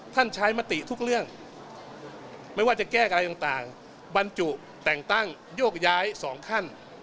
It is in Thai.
ใช้มติทุกเรื่องไม่ว่าจะแก้อะไรต่างบรรจุแต่งตั้งโยกย้ายสองขั้น